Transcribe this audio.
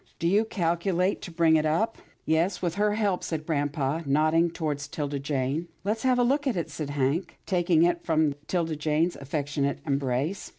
" Do you calculate to bring it up? "" Yes, with her help," said grampa, nodding toward 'Tilda Jane. " Let's have a look at it," said Hank, taking it from 'Tilda Jane's affectionate embrace.